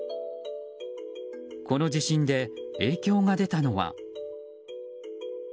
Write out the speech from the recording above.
この地震で影響が出たのは。